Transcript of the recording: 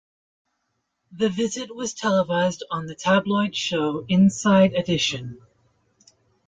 The visit was televised on the tabloid show Inside Edition.